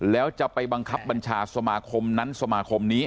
แล้วจะไปบังคับบัญชาสมาคมนั้นสมาคมนี้